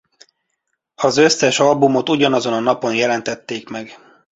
Az összes albumot ugyanazon a napon jelentették meg.